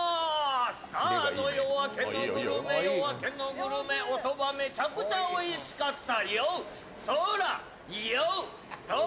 スターの「夜明けのグルメ」、おそばめちゃめちゃおいしかった。